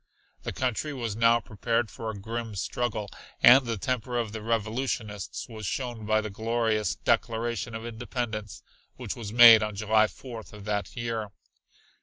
The country was now prepared for a grim struggle and the temper of the revolutionists was shown by the glorious Declaration of Independence which was made on July 4th of that year.